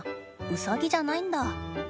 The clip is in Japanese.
ウサギじゃないんだ。